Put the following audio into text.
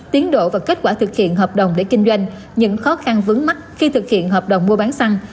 tiến độ và kết quả thực hiện hợp đồng để kinh doanh những khó khăn vướng mắt khi thực hiện hợp đồng mua bán xăng